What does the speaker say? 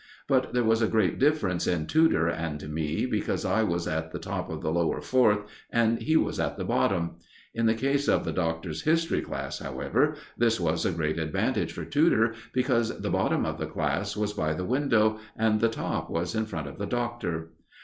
But there was a great difference in Tudor and me, because I was at the top of the Lower Fourth and he was at the bottom. In the case of the Doctor's history class, however, this was a great advantage for Tudor, because the bottom of the class was by the window, and the top was in front of the Doctor.